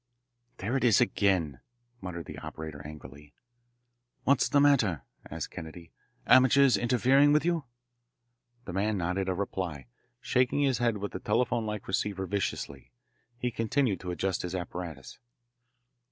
"There it is again," muttered the operator angrily. "What's the matter?" asked Kennedy. "Amateurs interfering with you?" The man nodded a reply, shaking his head with the telephone like receiver, viciously. He continued to adjust his apparatus.